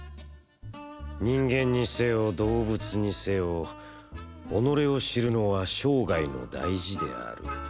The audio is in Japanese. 「人間にせよ、動物にせよ、己を知るのは生涯の大事である。